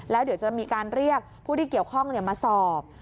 แล้วเดี๋ยวจะมีการเรียกผู้ที่เกี่ยวข้องมาสอบ